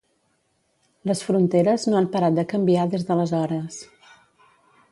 Les fronteres no han parat de canviar des d'aleshores.